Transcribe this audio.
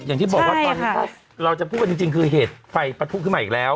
อย่างที่บอกว่าตอนนี้ถ้าเราจะพูดกันจริงคือเหตุไฟปะทุขึ้นมาอีกแล้ว